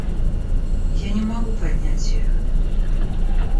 Я не могу поднять ее...